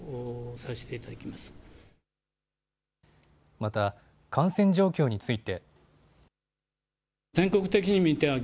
また感染状況について。